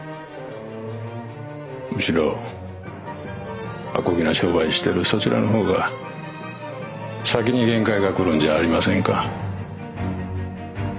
むしろアコギな商売してるそちらの方が先に限界が来るんじゃありませんか？